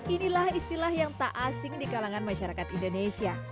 inilah istilah yang tak asing di kalangan masyarakat indonesia